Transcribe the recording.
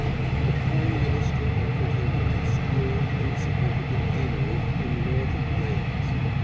_ The Prime Minister offered him an obscure, insignificant deanery in the north of Wales.